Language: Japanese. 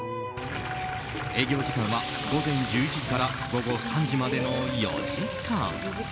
営業時間は午前１１時から午後３時までの４時間。